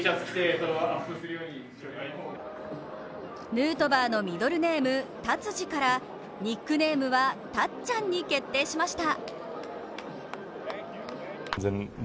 ヌートバーのミドルネームタツジからニックネームはたっちゃんに決定しました。